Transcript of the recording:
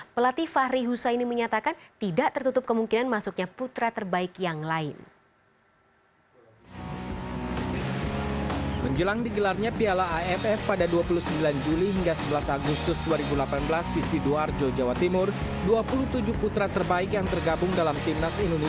pelatih fahri husaini menyatakan tidak tertutup kemungkinan masuknya putra terbaik yang lain